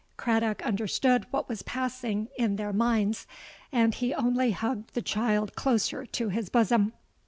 Craddock understood what was passing in their minds; and he only hugged the child closer to his bosom.